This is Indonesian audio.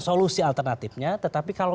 solusi alternatifnya tetapi kalau